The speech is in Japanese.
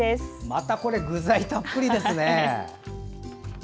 またこれ具材たっぷりですね。